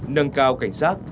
nâng cao cảnh sát